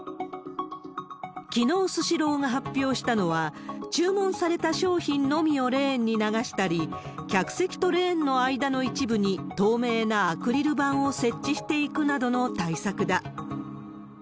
きのうスシローが発表したのは、注文された商品のみをレーンに流したり、客席とレーンの間の一部に透明なアクリル板を設置していくなどの対策だ。